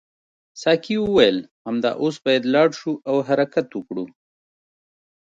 ساقي وویل همدا اوس باید لاړ شو او حرکت وکړو.